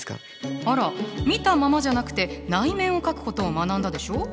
あら見たままじゃなくて内面を描くことを学んだでしょ？